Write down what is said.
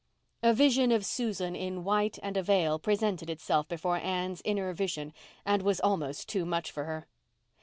A vision of Susan in "white and a veil" presented itself before Anne's inner vision and was almost too much for her.